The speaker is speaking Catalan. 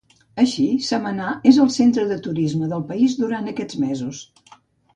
Així, Samaná és el centre de turisme del país durant aquests mesos.